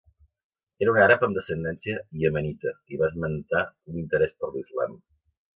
Era un àrab amb descendència iemenita i va esmentar un interès per l'Islam.